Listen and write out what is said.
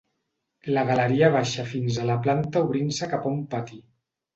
La galeria baixa fins a la planta obrint-se cap a un pati.